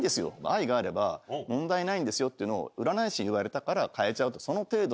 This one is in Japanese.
愛があれば問題ないんですよっていうのを占い師に言われたから変えちゃう。